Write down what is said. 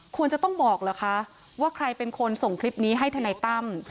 ควรจะต้องบอกเหรอคะว่าใครเป็นคนส่งคลิปนี้ให้ทนายตั้ม